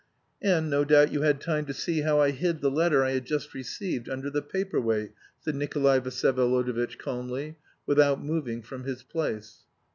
"And no doubt you had time to see how I hid the letter I had just received, under the paper weight," said Nikolay Vsyevolodovitch calmly, without moving from his place.